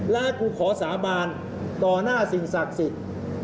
และกูขอสาบานต่อหน้าสิ่งศักดิ์สิทธิ์